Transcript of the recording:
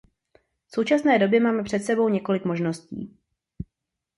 V současné době máme před sebou několik možností.